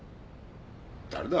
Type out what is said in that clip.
誰だ？